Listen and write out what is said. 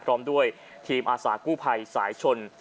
พร้อมด้วยทีมอาสากู้ภัยสายชน